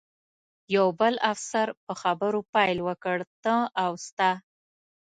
یو بل افسر په خبرو پیل وکړ، ته او ستا.